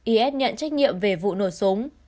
is nhận trách nhiệm về vụ nổ súng